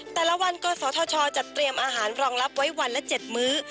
แต่ละวันกศธชจัดเตรียมอาหารรองรับไว้วันละ๗มื้อ